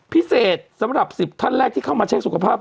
พิเศษสำหรับ๑๐ท่านแรกที่เข้ามาเช็คสุขภาพ